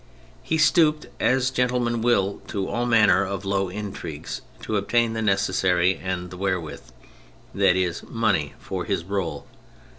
He stooped as gentlemen will to all manner of low intrigues, to obtain " the necessary and the wherewith "; that is, money for his rSle.